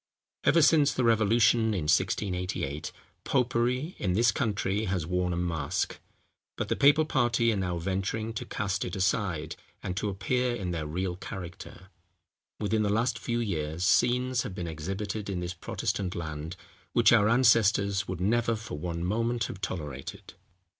Ever since the revolution in 1688, popery, in this country, has worn a mask; but the papal party are now venturing to cast it aside, and to appear in their real character. Within the last few years scenes have been exhibited in this Protestant land, which our ancestors would never for one moment have tolerated.